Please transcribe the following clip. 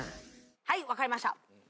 はい分かりました。